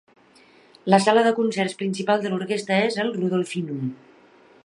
La sala de concerts principal de l'orquestra és el Rudolfinum.